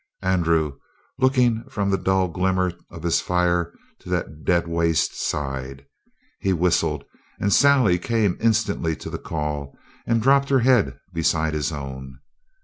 Andrew, looking from the dull glimmer of his fire to that dead waste, sighed. He whistled, and Sally came instantly to the call and dropped her head beside his own.